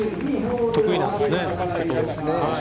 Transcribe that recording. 得意なんですね、ここが。